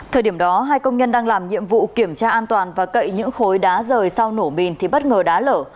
thời điểm đó hai công nhân đang làm nhiệm vụ kiểm tra an toàn và cậy những khối đá rời sau nổ mìn thì bất ngờ đá lở